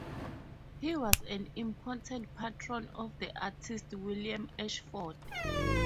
He was an important patron of the artist William Ashford.